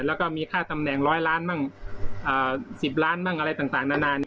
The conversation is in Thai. แล้วก็มีค่าตำแหน่งร้อยล้านบ้างอ่าสิบล้านบ้างอะไรต่างต่างนานาน